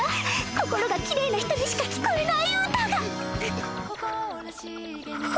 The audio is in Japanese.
心がきれいな人にしか聞こえない歌が！は。